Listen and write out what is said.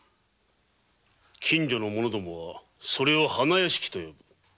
近所の者はそれを花屋敷と呼ぶ。